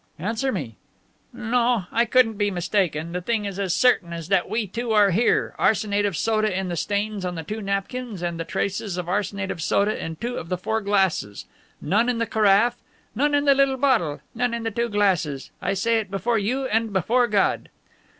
"Answer me." "No, I couldn't be mistaken. The thing is as certain as that we two are here arsenate of soda in the stains on the two napkins and traces of arsenate of soda in two of the four glasses; none in the carafe, none in the little bottle, none in the two glasses. I say it before you and before God."